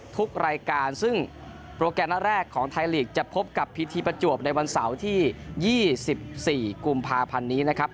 ทุกรายการซึ่งโปรแกรมนัดแรกของไทยลีกจะพบกับพีทีประจวบในวันเสาร์ที่๒๔กุมภาพันธ์นี้นะครับ